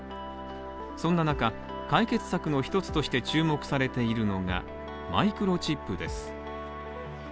そんな中、解決策の一つとして注目されているのが、マイクロチップです。